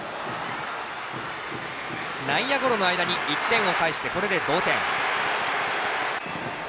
内野ゴロの間に１点を返してこれで同点。